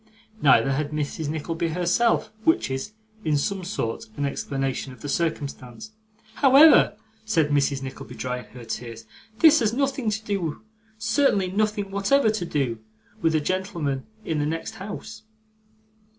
Neither had Mrs. Nickleby herself; which is, in some sort, an explanation of the circumstance. 'However,' said Mrs. Nickleby, drying her tears, 'this has nothing to do certainly nothing whatever to do with the gentleman in the next house.